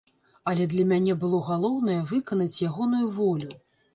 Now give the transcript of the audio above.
Але для мяне было галоўнае выканаць ягоную волю.